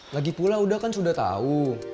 lagipula udah kan sudah tau